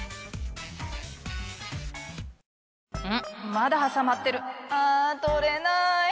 まだはさまってるあ取れない！